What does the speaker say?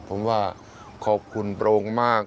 ผมว่าขอบคุณโปรงมาก